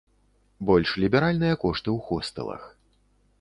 Больш ліберальныя кошты ў хостэлах.